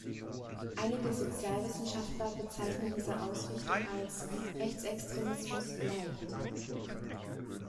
Einige Sozialwissenschaftler bezeichnen diese Ausrichtung als „Rechtsextremismus light“.